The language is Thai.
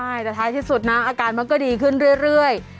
ใช่แต่ท้ายที่สุดนะอาการมันก็ดีขึ้นเรื่อย